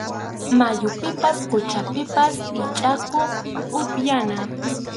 Mayupipas quchapipas hichʼakuq upyana.